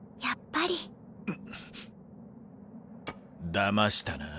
だましたな？